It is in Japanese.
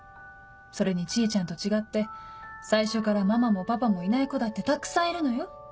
それに知恵ちゃんと違って最初からママもパパもいない子だってたくさんいるのよ。